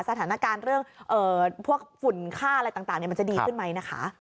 สถานการณ์เรื่องพวกฝุ่นค่าอะไรต่างมันจะดีขึ้นไหมนะคะ